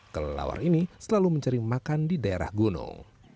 kelelawar ini selalu mencari makan di daerah gunung